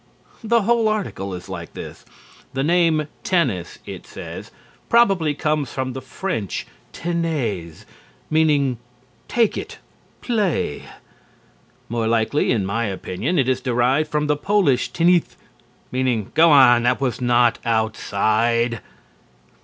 The whole article is like this. The name "tennis," it says, probably comes from the French "Tenez!" meaning "Take it! Play!" More likely, in my opinion, it is derived from the Polish "Tinith!" meaning "Go on, that was not outside!"